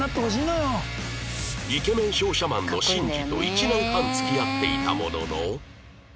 イケメン商社マンの慎二と１年半付き合っていたものの